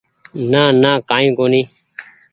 نانا ڪآئي ڪونيٚ